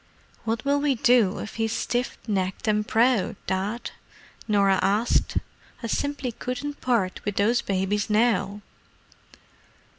"What will we do if he's stiff necked and proud, Dad?" Norah asked. "I simply couldn't part with those babies now!"